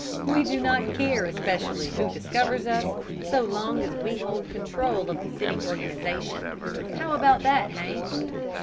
"We do not care especially who discovers us, so long as we hold control of the city organization. How about that, Hank?"